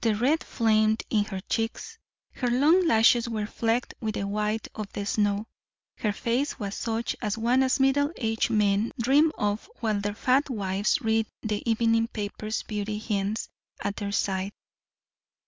The red flamed in her cheeks; her long lashes were flecked with the white of the snow; her face was such a one as middle aged men dream of while their fat wives read the evening paper's beauty hints at their side.